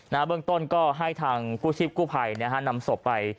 อา้ะเบื้องต้นก็ให้ทางผู้ชีพผู้ภัยนำศพไป